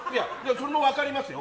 それも分かりますよ。